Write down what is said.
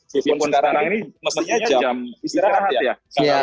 meskipun sekarang ini mestinya jam istirahat ya